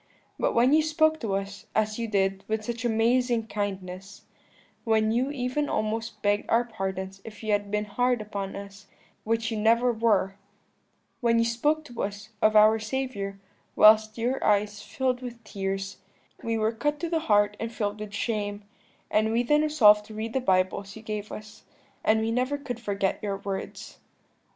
But when you spoke to us, as you did, with such amazing kindness when you even almost begged our pardons if you had been hard upon us, which you never were when you spoke to us of our Saviour, whilst your eyes filled with tears, we were cut to the heart and filled with shame, and we then resolved to read the Bibles you gave us. And we never could forget your words.